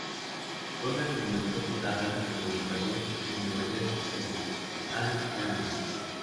Conner comenzó su carrera como luchador en Nueva Jersey como Ace The Animal.